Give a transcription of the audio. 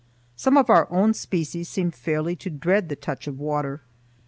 Some of our own species seem fairly to dread the touch of water.